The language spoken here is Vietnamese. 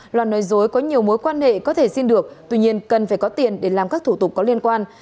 loan nói dối có nhiều mối quan hệ có thể xin được tuy nhiên cần phải có tiền để làm các thủ tục có liên quan